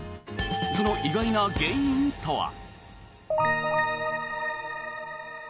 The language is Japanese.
その意外な原因とは。